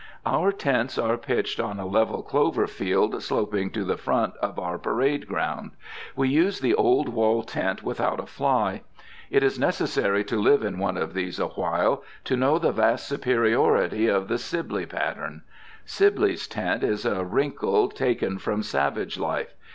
Our tents are pitched on a level clover field sloping to the front for our parade ground. We use the old wall tent without a fly. It is necessary to live in one of these awhile to know the vast superiority of the Sibley pattern. Sibley's tent is a wrinkle taken from savage life.